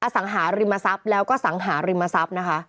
สังหาริมทรัพย์แล้วก็สังหาริมทรัพย์นะคะ